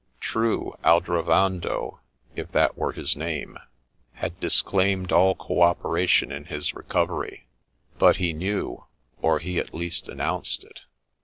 True ; Aldrovando, if that were his name, had disclaimed all co operation in his recovery ; but he knew, or he at least an nounced it.